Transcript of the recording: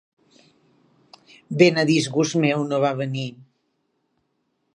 Ben a disgust meu, no va venir.